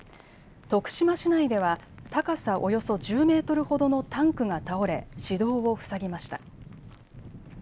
徳島市内では高さおよそ１０メートルほどのタンクが倒れ市道を塞ぎました。